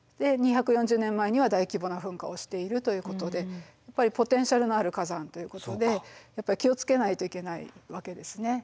で２４０年前には大規模な噴火をしているということでやっぱりポテンシャルのある火山ということで気を付けないといけないわけですね。